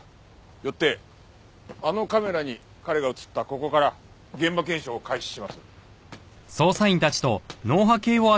よってあのカメラに彼が映ったここから現場検証を開始します。